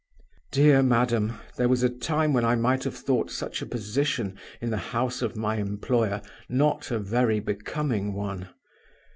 Dear madam, there was a time when I might have thought such a position in the house of my employer not a very becoming one.